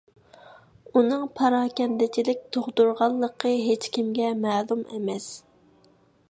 ئۇنىڭ پاراكەندىچىلىك تۇغدۇرغانلىقى ھېچكىمگە مەلۇم ئەمەس.